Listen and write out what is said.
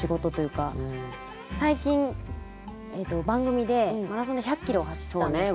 最近番組でマラソンで１００キロを走ったんですけど。